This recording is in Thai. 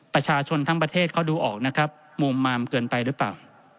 ประชาชนทั้งประเทศเขาดูออกนะครับมุมมามเกินไปหรือเปล่า